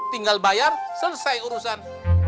tinggal bayar selesai urusan